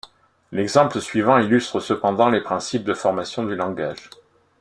L'exemple suivant illustre cependant les principes de formation du langage.